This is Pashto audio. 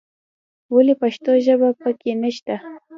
ولې پښتو ژبه په کې نه شته.